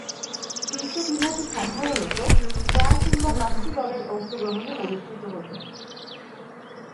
শীর্ষ বিভাগে সাধারণতঃ চার কিংবা পাঁচটি দলের অংশগ্রহণে অনুষ্ঠিত হতো।